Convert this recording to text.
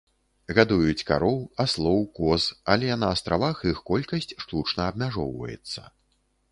Гадуюць кароў, аслоў, коз, але на астравах іх колькасць штучна абмяжоўваецца.